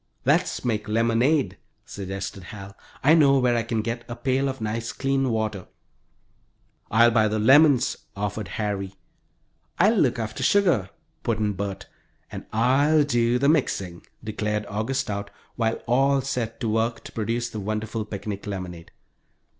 "Let's make lemonade," suggested Hal. "I know where I can get a pail of nice clean water." "I'll buy the lemons," offered Harry. "I'll look after sugar," put in Bert. "And I'll do the mixing," declared August Stout, while all set to work to produce the wonderful picnic lemonade.